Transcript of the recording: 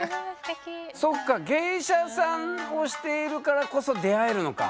そっか芸者さんをしているからこそ出会えるのか。